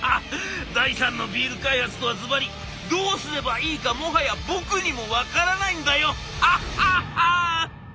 第三のビール開発とはずばりどうすればいいかもはや僕にも分からないんだよ。ハハハ！」。